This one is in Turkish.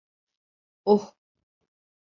Oh...